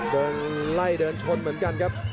คงไล่เดินชนเหมือนกันครับ